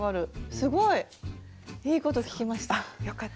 すごい！いいこと聞きました。